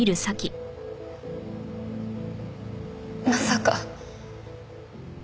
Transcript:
まさか。